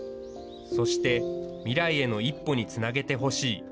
そして、未来への一歩につなげてほしい。